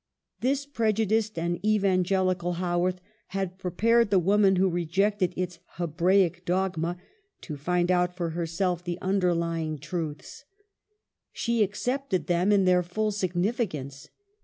Thus prejudiced and evangelical Haworth had prepared the woman who rejected its Hebraic dogma, to find out for herself the underlying ' WUTHERING HEIGHTS: 213 truths. She accepted them in their full signifi cance.